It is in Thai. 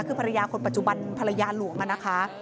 คือภรรยาคนปัจจุบันภรรยาหลวงนะคะ